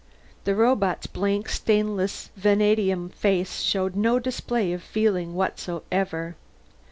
The robot's blank stainless vanadium face showed no display of feeling whatsoever.